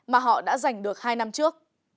mà họ đã giành được hai năm trước